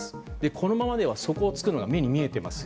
このままでは底をつくのが目に見えています。